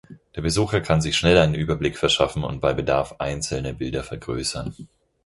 Der Besucher kann sich schnell einen Überblick verschaffen und bei Bedarf einzelne Bilder vergrößern.